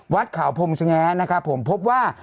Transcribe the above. วัดขาวพรมสแง้นะครับผมพบว่า